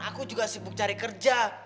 aku juga sibuk cari kerja